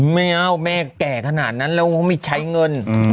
ไม่เอาแม่แก่ขนาดนั้นแล้วเขาไม่ใช้เงิน